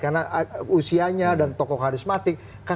karena usianya dan tokoh karismatik